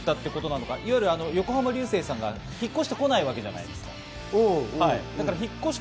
出て行ったことなのか、横浜流星さんが引っ越してこないわけじゃないですか。